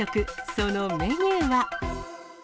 そのメニューは？